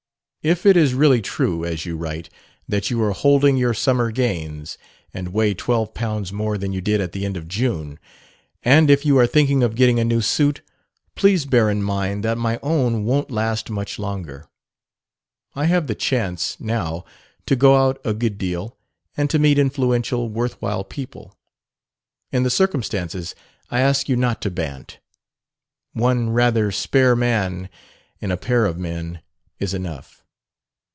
If it is really true, as you write, that you are holding your summer gains and weigh twelve pounds more than you did at the end of June, and if you are thinking of getting a new suit, please bear in mind that my own won't last much longer. I have the chance, now, to go out a good deal and to meet influential, worth while people. In the circumstances I ask you not to bant. One rather spare man in a pair of men is enough.